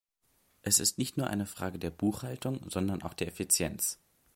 Es ist nicht nur eine Frage der Buchhaltung, sondern auch der Effizienz.